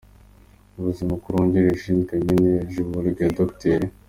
Umuyobozi mukuru wungirije ushinzwe mine na jewologi, Dr.